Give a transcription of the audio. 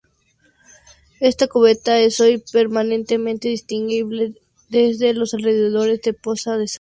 Esta cubeta es hoy perfectamente distinguible desde los alrededores de Poza de la Sal.